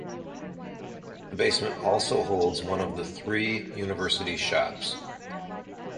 The basement also holds one of the three University Shops.